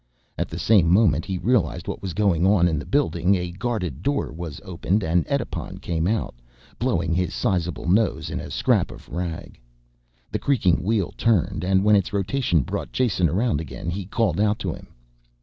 At the same moment that he realized what was going on in the building a guarded door was opened and Edipon came out, blowing his sizable nose in a scrap of rag. The creaking wheel turned and when its rotation brought Jason around again he called out to him.